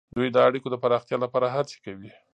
دوی د اړیکو د پراختیا لپاره هڅې کوي